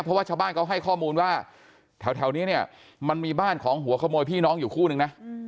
เพราะว่าชาวบ้านเขาให้ข้อมูลว่าแถวนี้เนี่ยมันมีบ้านของหัวขโมยพี่น้องอยู่คู่นึงนะ